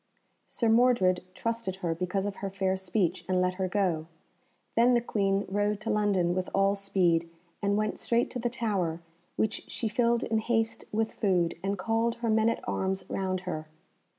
Sir Mordred trusted her because of her fair speech, and let her go. Then the Queen rode to London with all speed, and went straight to the Tower, which she filled in haste with food, and called her men at arms round her.